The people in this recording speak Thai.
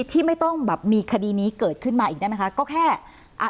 ที่ไม่ต้องแบบมีคดีนี้เกิดขึ้นมาอีกได้ไหมคะก็แค่อ่ะ